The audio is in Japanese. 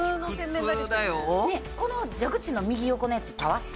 この蛇口の右横のやつたわし？